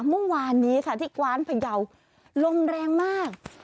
เมื่อวานนี้ค่ะที่กว้านพยาวลมแรงมาก